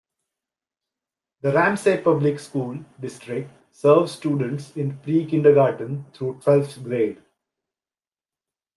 The Ramsey Public School District serves students in pre-kindergarten through twelfth grade.